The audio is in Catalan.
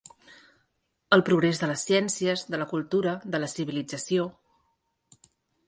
El progrés de les ciències, de la cultura, de la civilització.